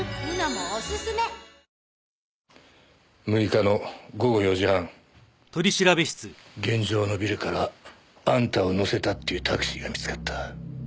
６日の午後４時半現場のビルからあんたを乗せたっていうタクシーが見つかった。